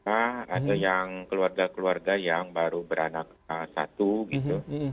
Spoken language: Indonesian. ada yang keluarga keluarga yang baru beranak satu gitu